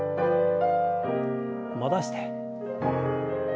戻して。